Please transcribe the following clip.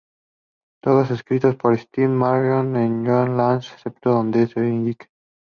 Todas escritas por Steve Marriott y Ronnie Lane, excepto donde se indique.